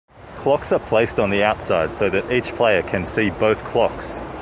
Clocks are placed on the outside so that each player can see both clocks.